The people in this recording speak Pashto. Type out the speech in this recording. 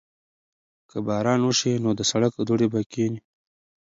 که باران وشي نو د سړک دوړې به کښېني.